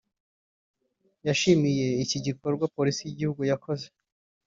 yashimiye iki gikorwa Polisi y’Igihugu yakoze